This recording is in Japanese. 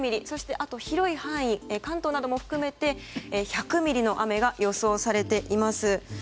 あとは広い範囲関東なども含めて１００ミリの雨が予想されています。